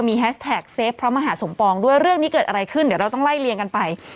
แฮชแท็กเซฟพระมหาสมปองด้วยเรื่องนี้เกิดอะไรขึ้นเดี๋ยวเราต้องไล่เลียงกันไป